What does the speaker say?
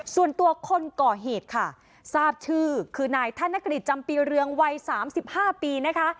ส่วนตัวคนก่อเหตุค่ะทราบชื่อคือนายธนกฤษจำปีเรืองวัย๓๕ปีนะคะ